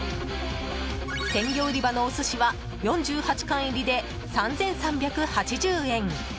鮮魚売り場のお寿司は４８貫入りで３３８０円。